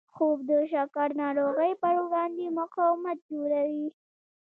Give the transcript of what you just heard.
خوب د شکر ناروغۍ پر وړاندې مقاومت جوړوي